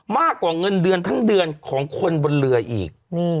มากกว่าเงินเดือนทั้งเดือนของคนบนเรืออีก